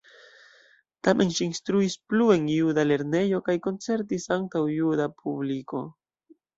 Tamen ŝi instruis plu en juda lernejo kaj koncertis antaŭ juda publiko.